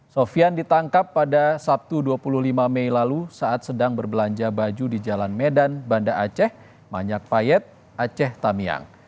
sofian ditangkap pada sabtu dua puluh lima mei lalu saat sedang berbelanja baju di jalan medan banda aceh manyak payet aceh tamiang